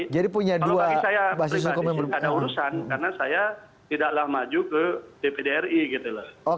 kalau bagi saya pribadi sih ada urusan karena saya tidaklah maju ke dpd ri gitu loh